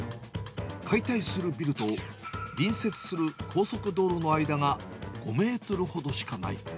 解体するビルと隣接する高速道路の間が５メートルほどしかない。